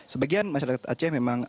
sebagian masyarakat aceh memang